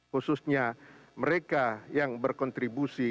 khususnya mereka yang berkontribusi